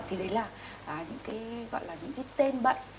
thì đấy là những cái gọi là những cái tên bậy